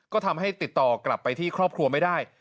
ก็ทำให้ติดต่อกลับไปที่ครอบครัวไม่ได้